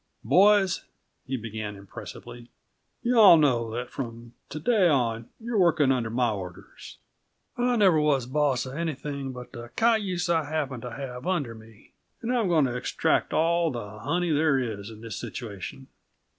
"Boys," he began impressively, "you all know that from to day on you're working under my orders. I never was boss of anything but the cayuse I happened to have under me, and I'm going to extract all the honey there is in the situation.